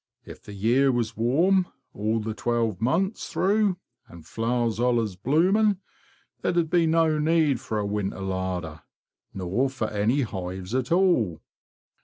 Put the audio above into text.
If the year was warm all the twelve months through, and flowers allers blooming, there 'ud be no need fer a winter larder, nor fer any hives at all.